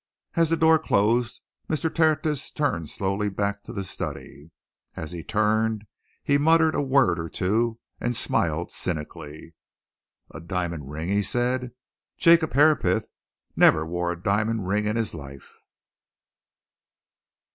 As the door closed Mr. Tertius turned slowly back to the study. And as he turned he muttered a word or two and smiled cynically. "A diamond ring!" he said. "Jacob Herapath never wore a diamond ring in his life!"